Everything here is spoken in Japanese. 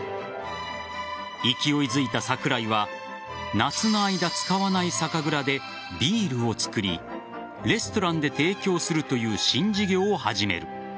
勢いづいた桜井は夏の間、使わない酒蔵でビールを造りレストランで提供するという新事業を始める。